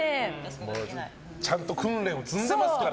ちゃんと訓練を積んでますからね。